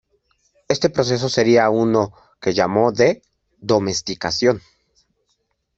Este proceso seria uno que llamó de "domesticación".